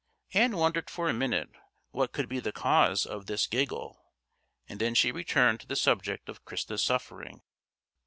Ann wondered for a minute what could be the cause of this giggle, and then she returned to the subject of Christa's suffering.